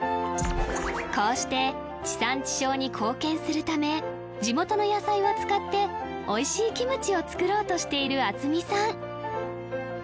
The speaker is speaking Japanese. こうして地産地消に貢献するため地元の野菜を使っておいしいキムチを作ろうとしている渥美さん